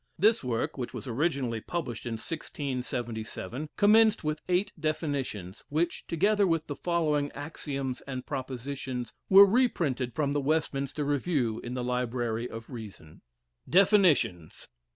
This work, which was originally published in 1677, commenced with eight definitions, which, together with the following axioms and propositions, were reprinted from the Westminster Review in the Library of Reason: DEFINITIONS.